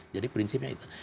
jadi prinsipnya itu